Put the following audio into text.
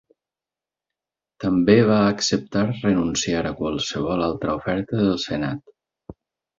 També va acceptar renunciar a qualsevol altra oferta del senat.